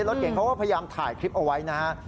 รถเก่งเขาก็พยายามถ่ายคลิปเอาไว้นะฮะ